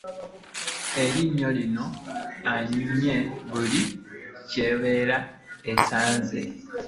Eriyo nno anyumya buli ky'abeera asanze .